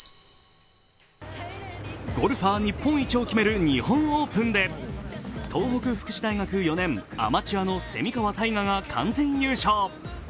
ゴルファー日本一を決める日本オープンで東北福祉大学４年、アマチュアの蝉川泰果が完全優勝。